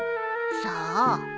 さあ。